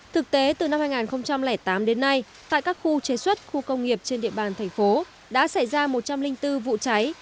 thực tế từ năm hai nghìn tám đến nay tại các khu chế xuất khu công nghiệp trên địa bàn thành phố đã xảy ra một trăm linh bốn vụ cháy